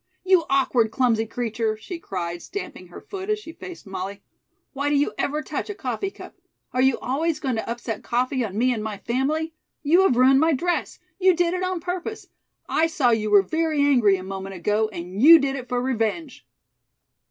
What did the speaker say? "You awkward, clumsy creature!" she cried, stamping her foot as she faced Molly. "Why do you ever touch a coffee cup? Are you always going to upset coffee on me and my family? You have ruined my dress. You did it on purpose. I saw you were very angry a moment ago and you did it for revenge."